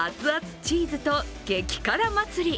チーズと激辛祭り。